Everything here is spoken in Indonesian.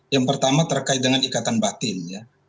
yang pertama terkait dengan ikatan batin ya